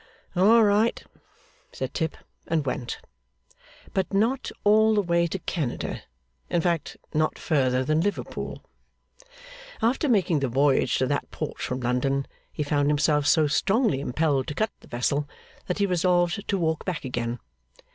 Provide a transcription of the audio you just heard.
'All right!' said Tip, and went. But not all the way to Canada; in fact, not further than Liverpool. After making the voyage to that port from London, he found himself so strongly impelled to cut the vessel, that he resolved to walk back again.